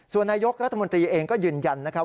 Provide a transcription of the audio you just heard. ส่วนนายกรัฐมนตรีเองก็ยืนยันนะครับ